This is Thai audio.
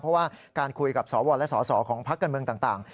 เพราะว่าการคุยกับสวและสสของพักการเมืองต่าง